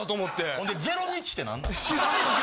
ほんで０日って何なん？